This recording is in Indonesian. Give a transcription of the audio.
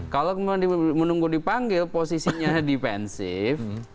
kalau kemudian menunggu dipanggil posisinya defensif